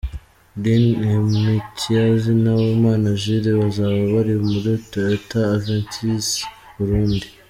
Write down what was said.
Din Imitiaz na Uwimana Jules bazaba bari muri Toyota Avensis-Burundi.